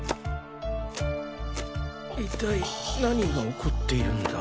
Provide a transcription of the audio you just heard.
一体なにが起こっているんだ？